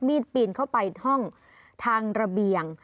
ปีนเข้าไปห้องทางระเบียง